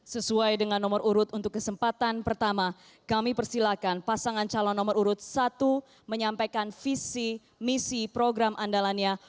sesuai dengan nomor urut untuk kesempatan pertama kami persilahkan pasangan calon nomor urut satu menyampaikan visi misi program andalannya